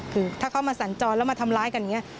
คือถ้าเขามาสัญจรแล้วมาทำร้ายกันอย่างนี้